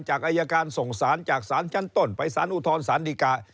อายการส่งสารจากศาลชั้นต้นไปสารอุทธรสารดีกา